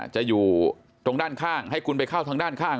จะอยู่ตรงด้านข้างให้คุณไปเข้าทางด้านข้าง